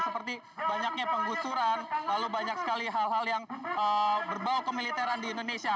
seperti banyaknya penggusuran lalu banyak sekali hal hal yang berbau kemiliteran di indonesia